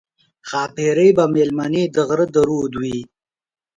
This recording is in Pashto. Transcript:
ښاپېرۍ به مېلمنې د غره د رود وي